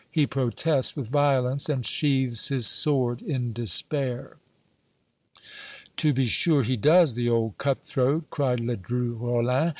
He protests with violence, and sheathes his sword in despair." "To be sure he does, the old cut throat!" cried Ledru Rollin.